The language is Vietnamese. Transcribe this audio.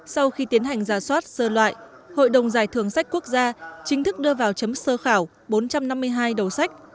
sau khi tiến hành giả soát sơ loại hội đồng giải thưởng sách quốc gia chính thức đưa vào chấm sơ khảo bốn trăm năm mươi hai đầu sách